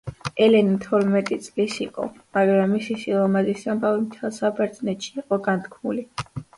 ელენე თორმეტი წლის იყო, მაგრამ მისი სილამაზის ამბავი მთელ საბერძნეთში იყო განთქმული.